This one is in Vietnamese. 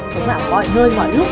sống ảo mọi nơi mọi lúc